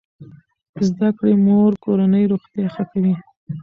زده کړې مور کورنۍ روغتیا ښه کوي.